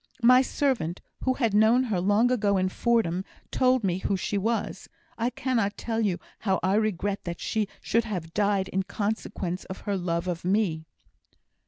My servant, who had known her long ago, in Fordham, told me who she was. I cannot tell how I regret that she should have died in consequence of her love of me."